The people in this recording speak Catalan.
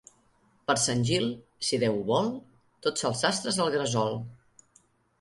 Per Sant Gil, si Déu ho vol, tots els sastres al gresol.